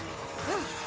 うん。